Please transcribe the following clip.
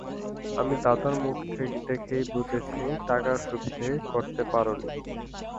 আমি দাদার মুখ দেখেই বুঝেছি টাকার সুবিধে করতে পার নি।